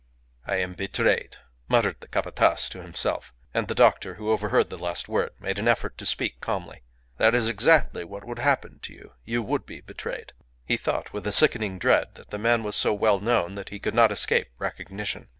"I am betrayed!" muttered the Capataz to himself; and the doctor, who overheard the last word, made an effort to speak calmly. "That is exactly what would happen to you. You would be betrayed." He thought with a sickening dread that the man was so well known that he could not escape recognition.